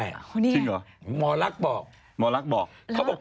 จริงเหรอมลักษมณ์บอกมลักษมณ์บอก